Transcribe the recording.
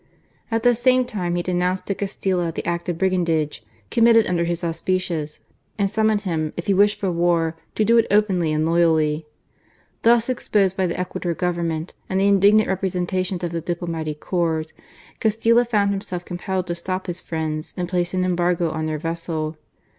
At the same time he denounced to Castilla the act of brigandage com mitted under his auspices, and summoned him, if he wished for war, to do it openly and loyally. Thus exposed by the Ecuador Government, and the indignant representations of the Diplomatic Corps, Castilla found himself compelled to stop his friends and place an embargo on their vessel.